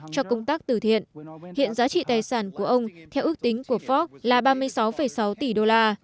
cho công tác tử thiện hiện giá trị tài sản của ông theo ước tính của forb là ba mươi sáu sáu tỷ đô la